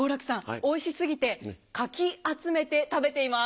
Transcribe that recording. おいし過ぎてカキ集めて食べています。